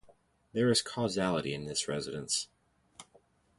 There is causality in this Residence.